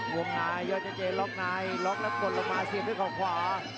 วงในยอดเจเจล็อกในล็อกแล้วกดลงมาเสียบด้วยเขาขวา